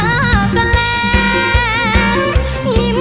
อยากแต่งานกับเธออยากแต่งานกับเธอ